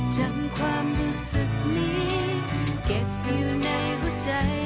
จำความรู้สึกนี้เก็บไว้อยู่ในหัวใจ